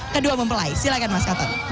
kedua mempelai silahkan mas kato